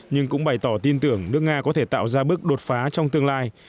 nhưng cũng bày tỏ tin tưởng nước nga có thể tạo ra bước đột phá trong tương lai